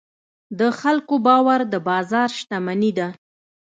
د خلکو باور د بازار شتمني ده.